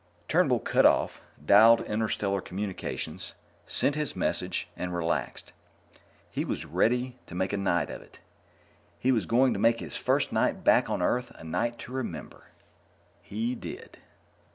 Turnbull cut off, dialed Interstellar Communications, sent his message, and relaxed. He was ready to make a night of it. He was going to make his first night back on Earth a night to remember. He did.